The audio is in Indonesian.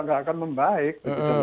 gak akan membaik